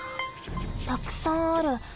たくさんある。